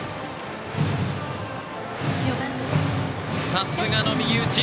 さすがの右打ち。